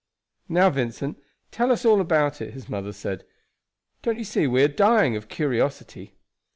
"Now, Vincent, tell us all about it," his mother said. "Don't you see we are dying of curiosity?"